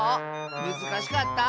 むずかしかった？